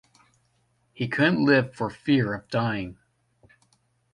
He couldn't live for fear of dying